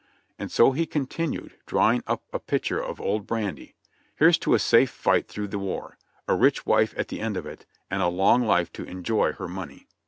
And so he continued, drawing up a pitcher of old brandy, "Here's to a safe fight through the war, a rich wife at the end of it, and a long life to enjoy her money."